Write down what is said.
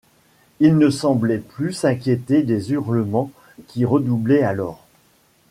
Il ne semblait plus s’inquiéter des hurlements qui redoublaient alors.